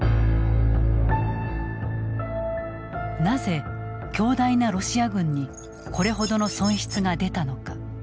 なぜ強大なロシア軍にこれほどの損失が出たのか。